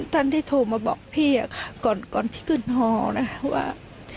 ท่านที่โทรมาบอกพี่ก่อนที่ขึ้นฮอนะว่า